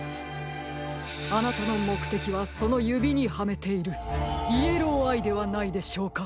あなたのもくてきはそのゆびにはめているイエローアイではないでしょうか？